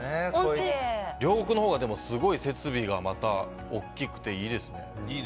両国のほうがでも設備がまた大きくていいですね。